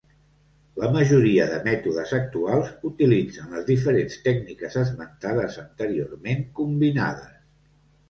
La majoria de mètodes actuals utilitzen les diferents tècniques esmentades anteriorment combinades.